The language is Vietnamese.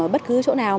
ở bất cứ chỗ nào